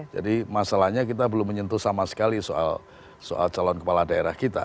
jadi masalahnya kita belum menyentuh sama sekali soal calon kepala daerah kita